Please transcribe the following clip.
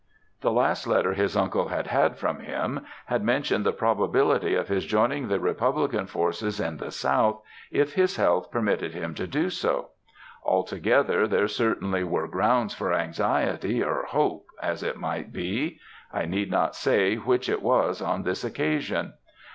The last letter his uncle had had from him, had mentioned the probability of his joining the Republican forces in the south, if his health permitted him to do so. Altogether, there certainly were grounds for anxiety or hope, as it might be; I need not say which it was on this occasion.